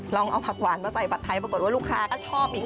ลองเอาผักหวานมาใส่ผัดไทยปรากฏว่าลูกค้าก็ชอบอีก